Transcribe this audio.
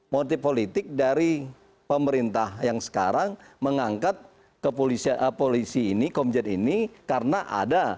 motif politik dari pemerintah yang sekarang mengangkat polisi ini komjen ini karena ada